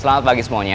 selamat pagi semuanya